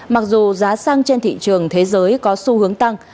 mặc dù giá xăng trên thị trường thế giới có xu hướng tăng